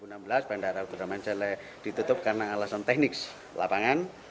tanggal empat bulan juni tahun dua ribu enam belas bandara abdurrahman saleh ditutup karena alasan teknis lapangan